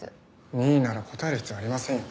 任意なら答える必要ありませんよね。